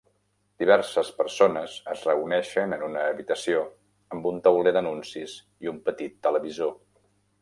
Diverses persones es reuneixen en una habitació amb un tauler d'anuncis i un petit televisor.